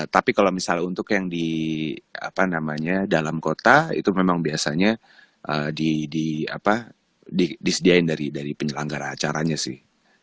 tapi kalau misalnya untuk yang di dalam kota itu memang biasanya disediain dari penyelenggara acaranya sih